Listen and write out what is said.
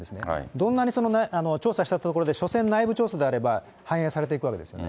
どんなに調査したところで、しょせん内部調査であれば、反映されていくわけですね。